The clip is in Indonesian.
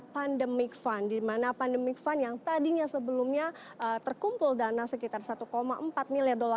pandemic fund di mana pandemic fund yang tadinya sebelumnya terkumpul dana sekitar satu empat miliar